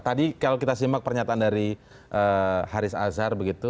tadi kalau kita simak pernyataan dari haris azhar begitu